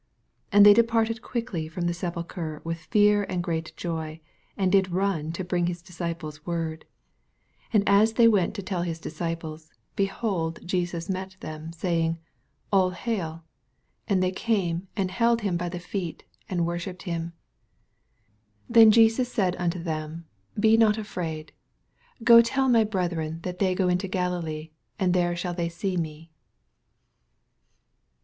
8 And they departed quickly from the sepulchre with fear and great jov ; and did run to bring his iisoipffii word. XATTHBW, CHAP. ZZVin. ,403 And 88 they went to tell his diBci pies, behold, Jesus met them, saiing, All hail. And they came and held him by the feet, and worshipped him. 10 Then said Jesos onto them, Be not afhdd : go tell my brethren that they go into Galilee, and there shall they see me.